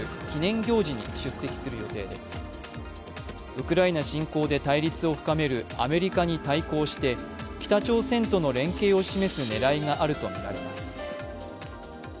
ウクライナ侵攻で対立を深めるアメリカに対抗して北朝鮮との連携を示す狙いがあるとみられます。